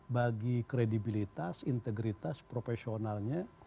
bagi kredibilitas integritas profesionalnya